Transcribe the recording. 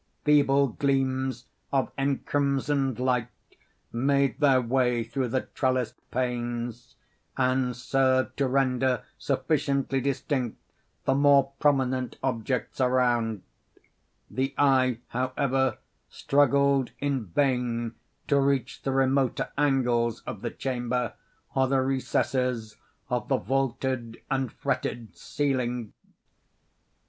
Feeble gleams of encrimsoned light made their way through the trellissed panes, and served to render sufficiently distinct the more prominent objects around; the eye, however, struggled in vain to reach the remoter angles of the chamber, or the recesses of the vaulted and fretted ceiling.